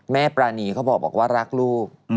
ปรานีเขาบอกว่ารักลูก